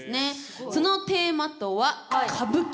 そのテーマとは歌舞伎。